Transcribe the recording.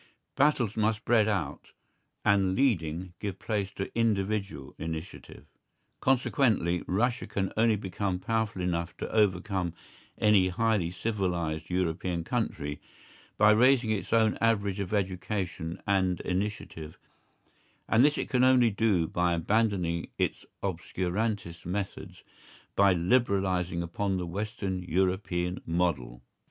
Battles must spread out, and leading give place to individual initiative. Consequently Russia can only become powerful enough to overcome any highly civilised European country by raising its own average of education and initiative, and this it can do only by abandoning its obscurantist methods, by liberalising upon the Western European model.